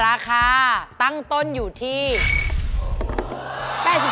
ราคาตั้งต้นอยู่ที่๘๐บาท